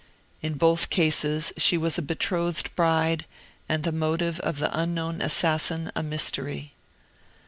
In both cases she was a betrothed bride, and the motive of the unknown assassin a mystery.